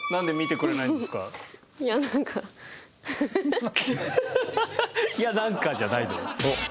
ハハハハ「いやなんか」じゃないのよ。